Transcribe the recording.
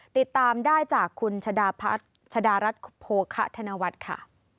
ติดตามได้จากคุณชดารัทภพโพธธนวัตค่ะ